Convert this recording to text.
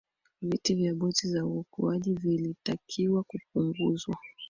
viti vya boti za uokoaji vilitakiwa kupunguzwa